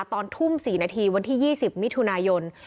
ตอนทุ่ม๔นาทีวันที่๒๐มิถุนายน